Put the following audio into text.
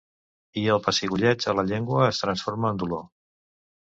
I el pessigolleig a la llengua es transforma en dolor.